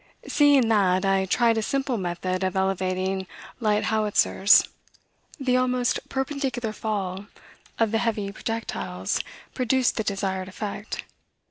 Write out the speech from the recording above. Seeing that, I tried a simple method of elevating light howitzers. The almost perpendicular fall of the heavy projectiles produced the desired effect.